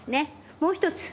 もう１つ。